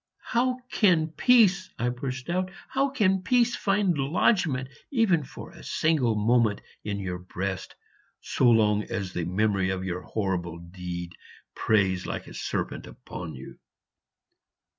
"How can peace," I burst out "how can peace find lodgment even for a single moment in your breast, so long as the memory of your horrible deed preys like a serpent upon you?"